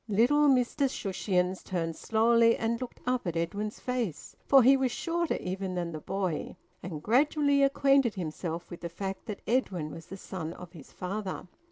Little Mr Shushions turned slowly and looked up at Edwin's face (for he was shorter even than the boy), and gradually acquainted himself with the fact that Edwin was the son of his father.